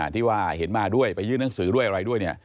ที่ว่าเห็นมาด้วยไปยื่นหนังสือด้วยอะไรด้วยเนี่ย